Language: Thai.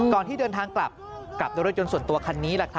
ก่อนที่เดินทางกลับกลับโดยรถยนต์ส่วนตัวคันนี้